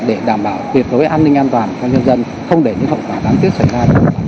để đảm bảo tuyệt đối an ninh an toàn cho nhân dân không để những hậu quả đáng tiếc xảy ra